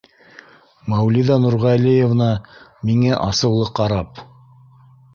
— Мәүлиҙә Нурғәлиевна миңә асыулы ҡарап.